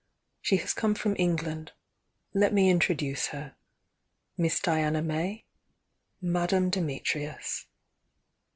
She has come from England — let me introduce her. Miss Diana iMay,— Madame Dimit rius."